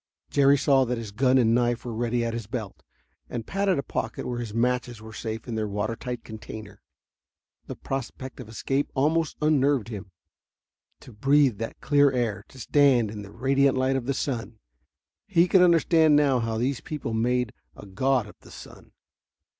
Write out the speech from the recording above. Jerry saw that his gun and knife were ready at his belt, and patted a pocket where his matches were safe in their watertight container. The prospect of escape almost unnerved him. To breathe the clear air; to stand in the radiant light of the sun he could understand now how these people made a god of the sun.